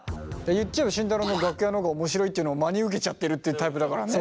言っちゃえば慎太郎の楽屋の方がおもしろいっていうのを真に受けちゃってるっていうタイプだからね。